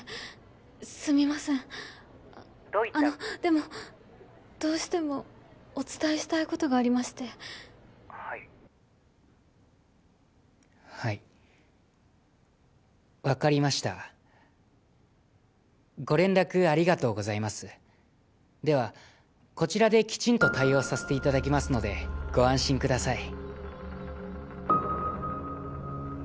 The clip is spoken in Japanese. すみませんどういったあのでもどうしてもお伝えしたいことがありましてはいはい分かりましたご連絡ありがとうございますではこちらできちんと対応させて頂きますのでご安心ください